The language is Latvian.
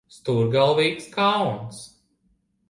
Stūrgalvīgs kā auns.